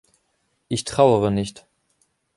Ich trauere nicht.